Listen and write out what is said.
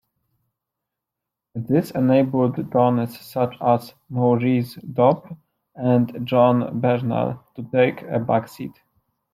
This enabled dons such as Maurice Dobb and John Bernal to take a back-seat.